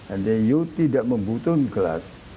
and the you tidak membutuhkan gelas